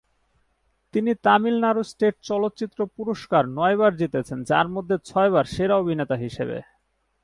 তিনি তামিলনাড়ু স্টেট চলচ্চিত্র পুরস্কার নয়বার জিতেছেন যার মধ্যে ছয়বার সেরা অভিনেতা হিসেবে।